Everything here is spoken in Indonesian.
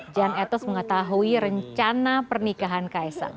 jan etes mengetahui rencana pernikahan kaisang